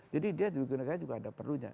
jadi dia juga ada perlunya